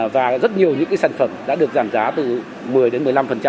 và rất nhiều những sản phẩm đã được giảm giá từ một mươi đến một mươi năm